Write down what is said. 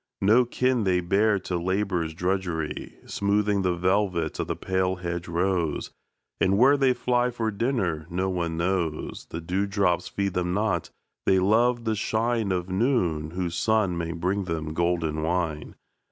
No kin they bear to labour's drudgery, Smoothing the velvet of the pale hedge rose; And where they fly for dinner no one knows The dew drops feed them not they love the shine Of noon, whose sun may bring them golden wine.